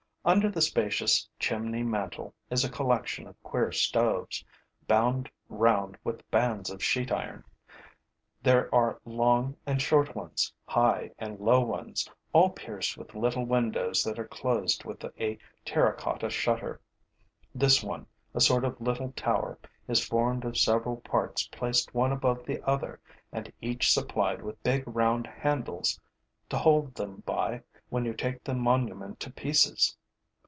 Under the spacious chimney mantel is a collection of queer stoves, bound round with bands of sheet iron. There are long and short ones, high and low ones, all pierced with little windows that are closed with a terracotta shutter. This one, a sort of little tower, is formed of several parts placed one above the other and each supplied with big round handles to hold them by when you take the monument to pieces.